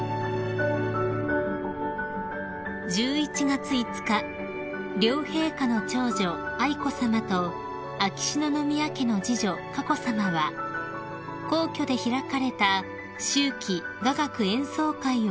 ［１１月５日両陛下の長女愛子さまと秋篠宮家の次女佳子さまは皇居で開かれた秋季雅楽演奏会を鑑賞されました］